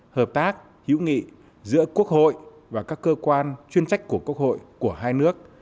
hợp tác hữu nghị giữa quốc hội và các cơ quan chuyên trách của quốc hội của hai nước